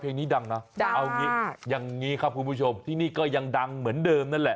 เพลงนี้ดังนะเอางี้อย่างนี้ครับคุณผู้ชมที่นี่ก็ยังดังเหมือนเดิมนั่นแหละ